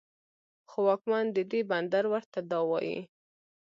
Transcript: خو واکمن د دې بندر ورته دا وايي